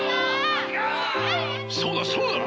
そうだそうだ！